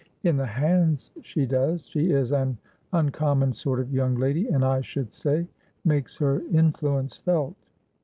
"In the hands, she does. She is an uncommon sort of young lady and, I should say, makes her influence felt."